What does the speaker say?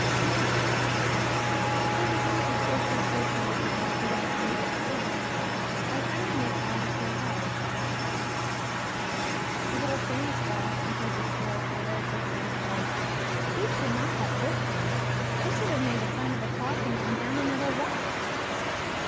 !N^otice how he begins his first temptation as he has begun so many since, by trying to make God appear hard. A little Spanish girl who heard this story for the first time said :'^ Eve should not have listened ; she should have made the sign of the Cross and gone down another walk."